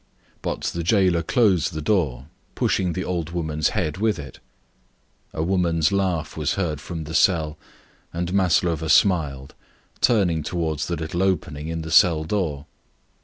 But the jailer closed the door, pushing the old woman's head with it. A woman's laughter was heard from the cell, and Maslova smiled, turning to the little grated opening in the cell door.